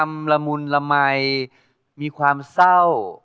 คอยนับวันให้เธอกลับมา